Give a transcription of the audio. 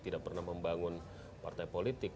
tidak pernah membangun partai politik